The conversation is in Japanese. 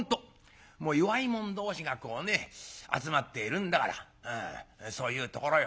もう弱い者同士がこうね集まっているんだからそういうところよ」